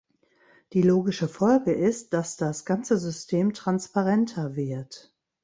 Die logische Folge ist, dass das ganze System transparenter wird.